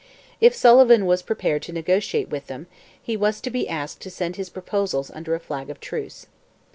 If Sullivan was prepared to negotiate with them, he was to be asked to send his proposals under a flag of truce.